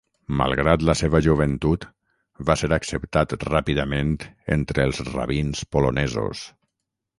Malgrat la seva joventut, va ser acceptat ràpidament entre els rabins polonesos.